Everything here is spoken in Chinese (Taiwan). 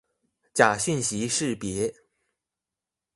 假訊息識別